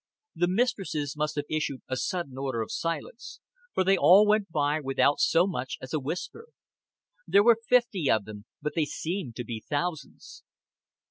The mistresses must have issued a sudden order of silence, for they all went by without so much as a whisper. There were fifty of them, but they seemed to be thousands.